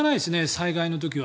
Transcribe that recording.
災害の時は。